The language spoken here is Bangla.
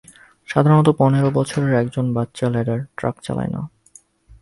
সাধারণত পনেরো বছরের একজন বাচ্চা ল্যাডার ট্রাক চালায় না।